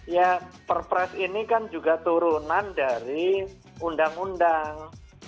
ya perpres ini kan juga turunan dari undang undang